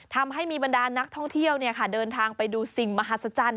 ทำให้มีบรรดานักท่องเที่ยวเดินทางไปดูสิ่งมหัศจรรย์